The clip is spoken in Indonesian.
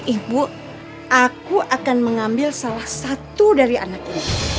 ibu aku akan mengambil salah satu dari anak ini